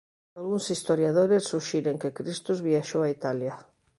Algúns historiadores suxiren que Christus viaxou a Italia.